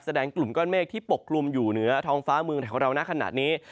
กลุ่มก้อนเมฆที่ปกกลุ่มอยู่เหนือท้องฟ้าเมืองไทยของเรานะขณะนี้